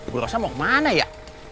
gue rasa mau kemana ya